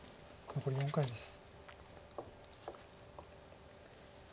残り４回です。